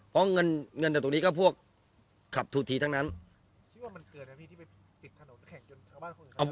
เพราะเงินเงินจากตรงนี้ก็พวกขับทูทีทั้งนั้นคิดว่ามันเกินนะพี่ที่ไปปิดถนนแข่งจนชาวบ้านคนอื่นเขา